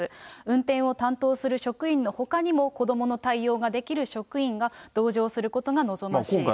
運転を担当する職員のほかにも、子どもの対応ができる職員が同乗することが望ましい。